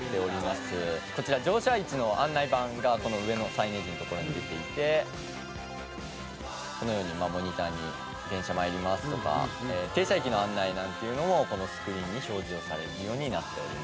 「こちら乗車位置の案内板が上のサイネージの所に出ていてこのようにモニターに“電車まいります”とか停車駅の案内なんていうのもこのスクリーンに表示をされるようになっております」